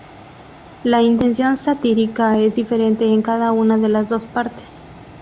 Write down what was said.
La intención satírica es diferente en cada una de las dos partes.